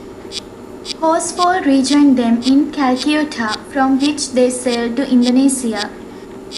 Horsfall rejoined them in Calcutta, from which they sailed to Indonesia.